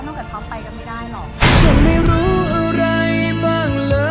นุ่งกับท้อมไปก็ไม่ได้หรอก